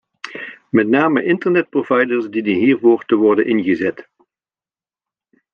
Met name internetproviders dienen hiervoor te worden ingezet.